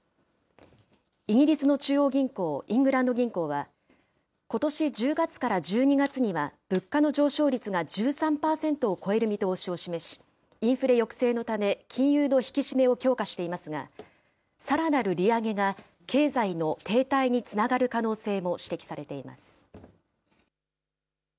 イギリスの中央銀行、イングランド銀行は、ことし１０月から１２月には、物価の上昇率が１３％を超える見通しを示し、インフレ抑制のため金融の引き締めを強化していますが、さらなる利上げが経済の停滞につながる可能性も指摘されています。